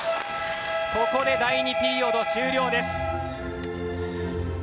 ここで第２ピリオド終了です。